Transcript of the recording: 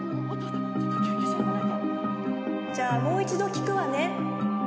じゃあもう一度聞くわね。